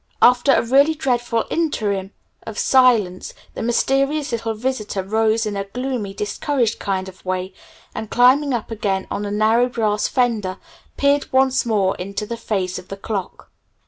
After a really dreadful interim of silence, the mysterious little visitor rose in a gloomy, discouraged kind of way, and climbing up again on the narrow brass fender, peered once more into the face of the clock.